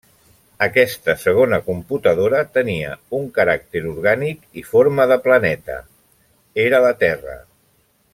Aquesta segona computadora tenia un caràcter orgànic i forma de planeta, era la Terra.